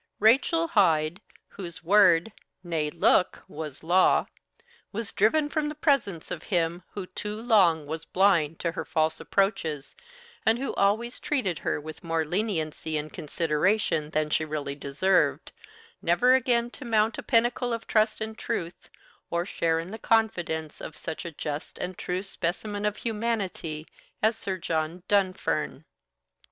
Rachel Hyde, whose word, nay, look, was law, was driven from the presence of him who too long was blind to her false approaches, and who always treated her with more leniency and consideration than she really deserved, never again to mount a pinnacle of trust and truth, or share in the confidence of such a just and true specimen of humanity as Sir John Dunfern.